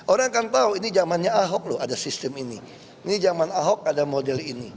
orang akan tahu ini zamannya ahok loh ada sistem ini ini zaman ahok ada model ini